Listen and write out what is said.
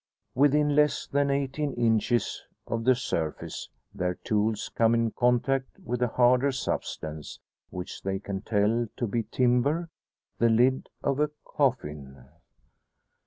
Within less than eighteen inches of the surface their tools come in contact with a harder substance, which they can tell to be timber the lid of a coffin.